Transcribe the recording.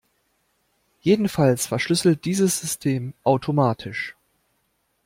Jedenfalls verschlüsselt dieses System automatisch.